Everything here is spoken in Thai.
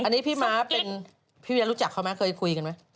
อันนี้พี่ม้าเป็นพี่เวียรู้จักเขาไหมเคยคุยกันไหม